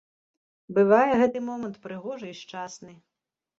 Бывае гэты момант прыгожы і шчасны.